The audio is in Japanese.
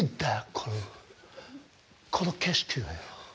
この、この景色がよ